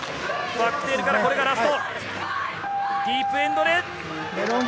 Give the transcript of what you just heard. バックテールからこれがラスト。